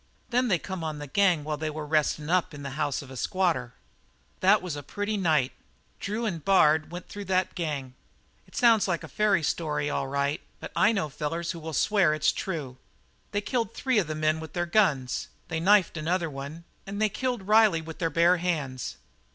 Then they come on the gang while they were restin' up in the house of a squatter. "That was a pretty night. Drew and Bard went through that gang. It sounds like a nice fairy story, all right, but I know old fellers who'll swear it's true. They killed three of the men with their guns; they knifed another one, an' they killed Riley with their bare hands.